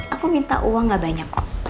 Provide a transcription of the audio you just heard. aku minta uang gak banyak kok